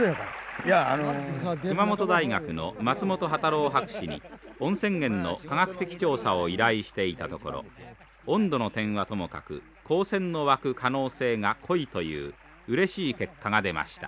熊本大学の松本幡郎博士に温泉源の科学的調査を依頼していたところ温度の点はともかく鉱泉の湧く可能性が濃いといううれしい結果が出ました。